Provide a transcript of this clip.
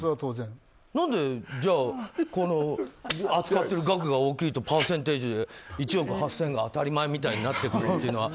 何でじゃあこの扱ってる額が大きいとパーセンテージで１億８０００万が当たり前みたいになってくるんですか。